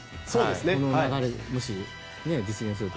この流れが実現すると。